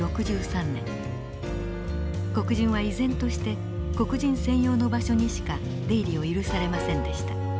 黒人は依然として黒人専用の場所にしか出入りを許されませんでした。